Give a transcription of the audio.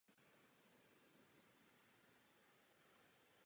Dělal také technického poradce pro natáčení filmu "Gone with the Wind".